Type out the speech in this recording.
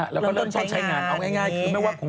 แล้วก็เริ่มต้นใช้งาน